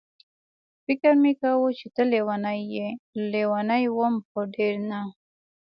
فکر مې کاوه چې ته لېونۍ یې، لېونۍ وم خو ډېره نه.